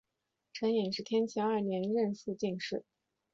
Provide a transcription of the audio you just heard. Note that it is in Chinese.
陈演是天启二年壬戌进士。